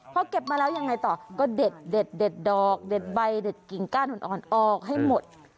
พอเก็บมาแล้วยังไงต่อก็เด็ดดอกเด็ดใบเด็ดกิ่งก้านอ่อนออกให้หมด